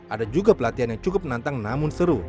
ada juga pelatihan yang cukup menantang namun seru